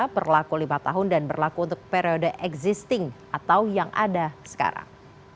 berlaku lima tahun dan berlaku untuk periode existing atau yang ada sekarang